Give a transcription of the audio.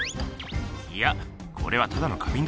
いやこれはただの花瓶だ。